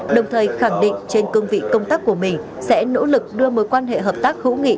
đồng thời khẳng định trên cương vị công tác của mình sẽ nỗ lực đưa mối quan hệ hợp tác hữu nghị